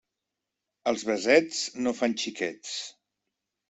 Els besets no fan xiquets.